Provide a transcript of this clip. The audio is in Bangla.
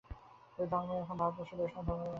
ঐ ধর্মই এখন ভারতবর্ষে বৈষ্ণবধর্ম বলে বিখ্যাত।